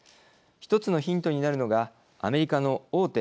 １つのヒントになるのがアメリカの大手